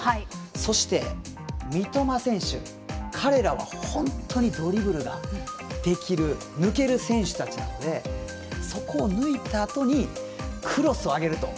そして、三笘選手彼らは本当にドリブルができる抜ける選手たちなのでそこを抜いたあとにクロスを上げると。